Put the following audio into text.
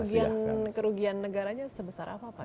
kerugian kerugian negaranya sebesar apa pak